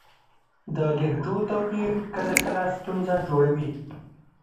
د لهجو توپیر کله کله ستونزه جوړوي.